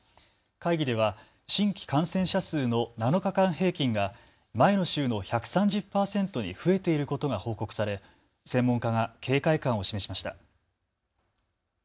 会議では新規感染者数の７日間平均が前の週の１３０％に増えていることが報告され専門家が警戒感を示しました。